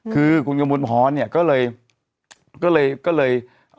คือคุณกระมวลพรเนี่ยก็เลย